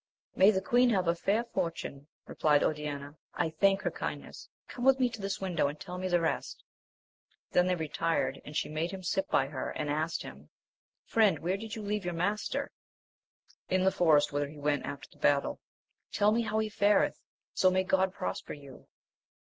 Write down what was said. May the Queen have a fair fortune ! replied Oriana ; I thank her kindness : come with me to this window, and tell me the rest. Then they retired, and she made him sit by her, and asked him. Friend, where did you leave your master? In the forest, whither he went after the battle. Tell me how he fareth, so may God prosper you.